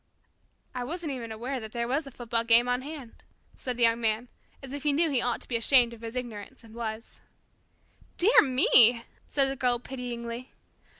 "I wasn't even aware that there was a football game on hand," said the Young Man, as if he knew he ought to be ashamed of his ignorance, and was. "Dear me," said the Girl pityingly.